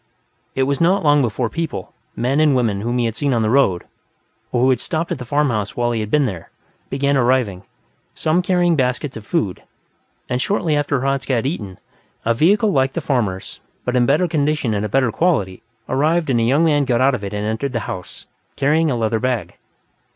It was not long before people, men and women whom he had seen on the road or who had stopped at the farmhouse while he had been there, began arriving, some carrying baskets of food; and shortly after Hradzka had eaten, a vehicle like the farmer's, but in better condition and of better quality, arrived and a young man got out of it and entered the house, carrying a leather bag.